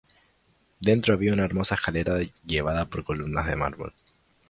Dentro había una hermosa escalera, llevada por columnas de mármol.